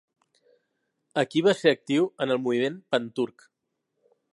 Aquí va ser actiu en el moviment pan-turc.